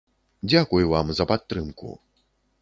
Дзякуй вам за падтрымку.